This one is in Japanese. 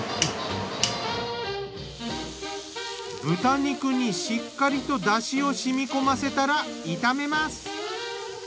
豚肉にしっかりとだしを染み込ませたら炒めます。